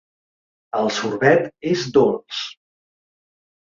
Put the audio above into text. El sorbet és dolç.